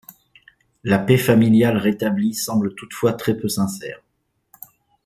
La paix familiale rétablie semble toutefois très peu sincère.